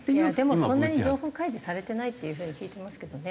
でもそんなに情報開示されてないっていう風に聞いてますけどね。